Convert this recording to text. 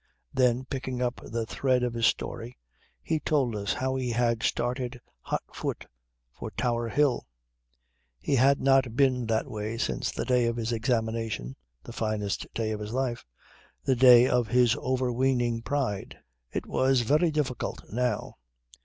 Then picking up the thread of his story he told us how he had started hot foot for Tower Hill. He had not been that way since the day of his examination the finest day of his life the day of his overweening pride. It was very different now.